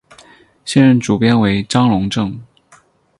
现任主编为张珑正。